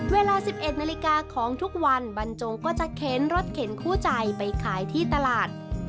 เวลา๑๑นาฬิกาของทุกวันบรรจงก็จะเข็นรถเข็นคู่ใจไปขายที่ตลาด